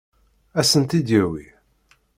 Ad sen-tt-id-yawi?